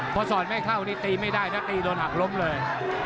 พอสอดไม่เข้านี่ตีไม่ได้ถ้าตีโดนหักล้มเลย